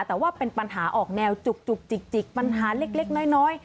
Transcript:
แต่ว่าเป็นปัญหาออกแนวจุกจิกปัญหาเล็กน้อย